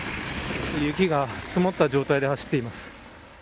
雪が積もった状態で走っています。